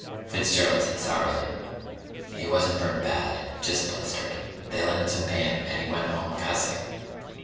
Fitzgerald said sourly: "He wasn't burned bad. Just blistered. They lent him some pants and he went home cussing."